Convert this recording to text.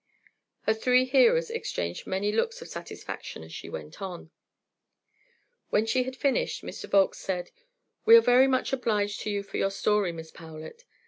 Her three hearers exchanged many looks of satisfaction as she went on. When she had finished, Mr. Volkes said: "We are very much obliged to you for your story, Miss Powlett.